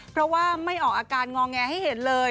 เพราะว่าไม่ออกอาการงอแงให้เห็นเลย